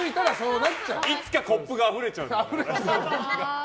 いつかコップがあふれちゃう。